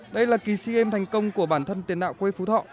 đây là kỳ sea games thành công của bản thân tiền đạo quê phú thọ